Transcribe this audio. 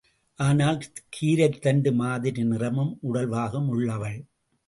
ஆனால் கீரைத்தண்டு மாதிரி நிறமும், உடல்வாகும் உள்ளவள்.